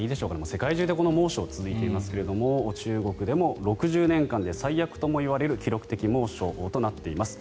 世界中で猛暑が続いていますが中国でも６０年間で最悪とも言われる記録的猛暑となっています。